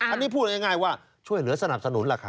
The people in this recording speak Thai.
อันนี้พูดง่ายว่าช่วยเหลือสนับสนุนราคา